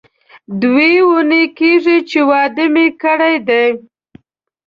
دوې اونۍ کېږي چې واده مې کړی دی.